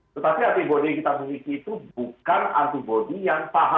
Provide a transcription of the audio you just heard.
tetapi antibodi yang kita miliki itu bukan antibodi yang paham kita